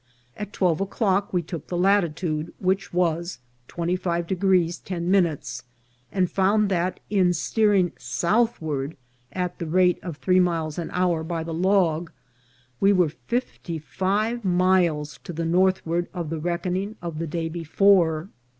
At twelve o'clock we took the latitude, which was in 25° 10', and found that in steering southward at the rate of three miles an hour by the log, we were fifty five miles to the northward of the reckoning of the day before.